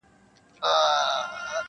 چي ورته ناست دوستان یې -